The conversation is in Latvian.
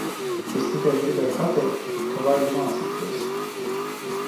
Es tikai gribēju pateikt, ka vajag mācīties.